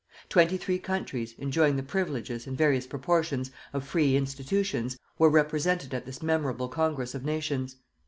Twenty three countries, enjoying the privileges, in various proportions, of free institutions, were represented at this memorable Congress of Nations.